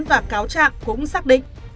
và cáo trạng cũng xác định